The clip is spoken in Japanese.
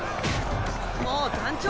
もう団長！